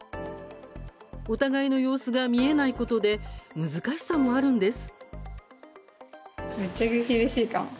お互いの様子が見えないことで難しさもあるんです。